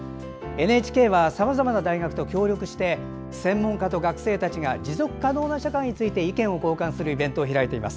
ＮＨＫはさまざまな大学と協力して専門家と学生たちが持続可能な社会について意見を交換するイベントを開いています。